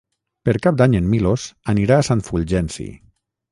Per Cap d'Any en Milos anirà a Sant Fulgenci.